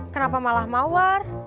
kenapa malah mawar